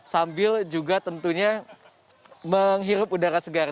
sambil juga tentunya menghirup udara segar